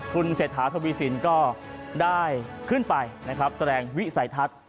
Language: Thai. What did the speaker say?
คุณเศรษฐธวิสินก็ได้ขึ้นไปแสดงวิสัยทัศน์